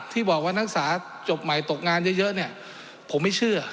ที่บอกว่านักศึกษาจบใหม่ตกงานเยอะเนี่ยผมไม่เชื่อ